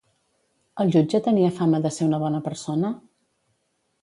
El jutge tenia fama de ser una bona persona?